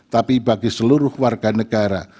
tapi bagi seluruh warga negara